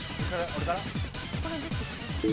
俺から？